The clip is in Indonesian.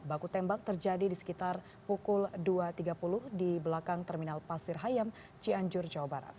baku tembak terjadi di sekitar pukul dua tiga puluh di belakang terminal pasir hayam cianjur jawa barat